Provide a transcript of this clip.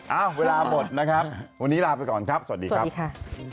เวลาหมดนะครับวันนี้ลาไปก่อนครับสวัสดีครับค่ะ